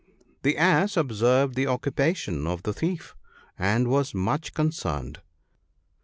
The Ass observed the occupation of the thief, and was much concerned.